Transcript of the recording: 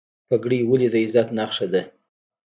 پګړۍ ولې د عزت نښه ده؟